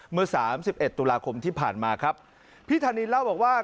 เมื่อสามสิบเอ็ดตุลาคมที่ผ่านมาครับพี่ธานินเล่าบอกว่า